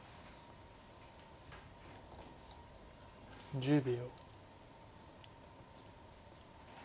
１０秒。